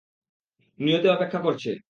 নিয়তি অপেক্ষা করছে!